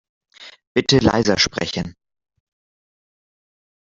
Bitte leiser sprechen.